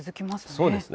そうですね。